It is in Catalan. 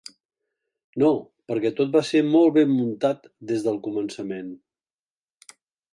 No, perquè tot va ser molt ben muntat des del començament.